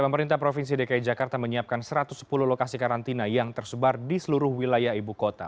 pemerintah provinsi dki jakarta menyiapkan satu ratus sepuluh lokasi karantina yang tersebar di seluruh wilayah ibu kota